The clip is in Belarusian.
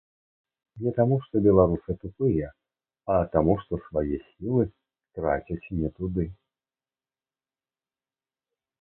Не таму, што беларусы тупыя, а таму што свае сілы трацяць не туды.